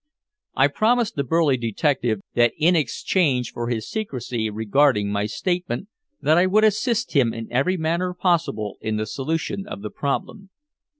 I promised the burly detective that in exchange for his secrecy regarding my statement that I would assist him in every manner possible in the solution of the problem.